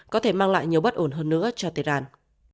có thể mang lại nhiều bất ổn hơn nữa cho tehran